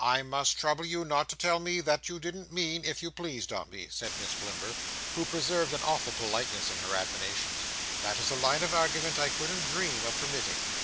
"I must trouble you not to tell me that you didn't mean, if you please, Dombey," said Miss Blimber, who preserved an awful politeness in her admonitions. "That is a line of argument I couldn't dream of permitting."